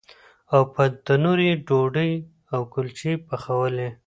او په تنور یې ډوډۍ او کلچې پخولې.